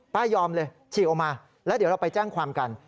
ยอมเลยฉีกออกมาแล้วเดี๋ยวเราไปแจ้งความกัน